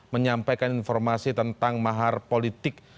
menyampaikan informasi tentang mahar politik